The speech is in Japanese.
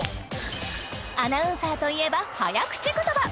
アナウンサーといえば早口言葉！